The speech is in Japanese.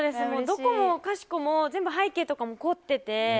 どこもかしこも全部背景とかも凝ってて。